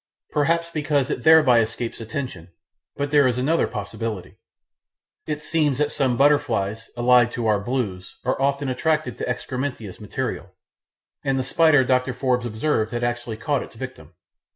Perhaps because it thereby escapes attention; but there is another possibility. It seems that some butterflies, allied to our Blues, are often attracted to excrementitious material, and the spider Dr. Forbes observed had actually caught its victim.